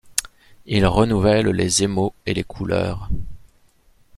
Il renouvelle les émaux et les couleurs.